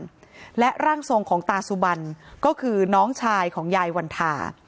และร่างทรงของตาสุบันก็คือน้องชายของยายวันทา